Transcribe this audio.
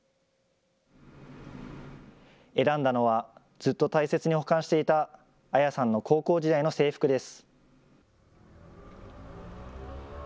選んだのは、ずっと大切に保管していた彩さんの高校時代の制服です。